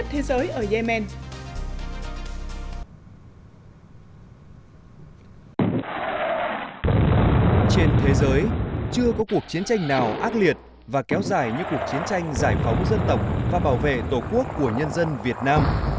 trên thế giới chưa có cuộc chiến tranh nào ác liệt và kéo dài như cuộc chiến tranh giải phóng dân tộc và bảo vệ tổ quốc của nhân dân việt nam